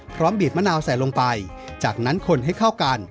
บีบมะนาวใส่ลงไปจากนั้นคนให้เข้ากัน